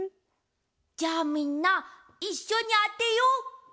じゃみんないっしょにあてよう。